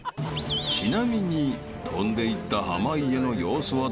［ちなみに飛んでいった濱家の様子はというと］